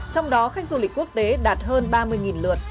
trong đó khách du lịch quốc tế đạt hơn ba mươi lượt